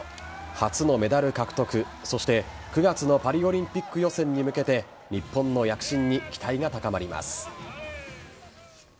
初のメダル獲得そして９月のパリオリンピック予選に向けて日本の躍進に期待が高まります。